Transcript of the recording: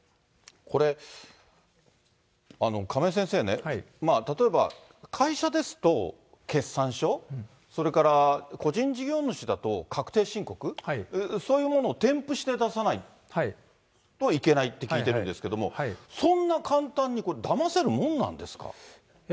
これ、亀井先生ね、例えば、会社ですと、決算書、それから個人事業主だと確定申告、そういうものを添付して出さないといけないって聞いてるんですけども、そんな簡単に、これ、だませるもんなんですか。